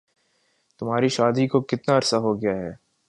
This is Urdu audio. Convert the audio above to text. تمہاری شادی کو کتنا عرصہ ہو گیا ہے؟